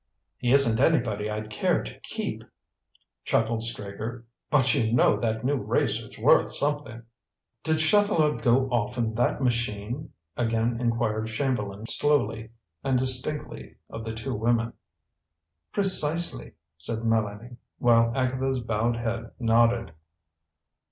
"He isn't anybody I'd care to keep!" chuckled Straker. "But you know that new racer's worth something." "Did Chatelard go off in that machine?" again inquired Chamberlain slowly and distinctly of the two women. "Precisely," said Mélanie, while Agatha's bowed head nodded.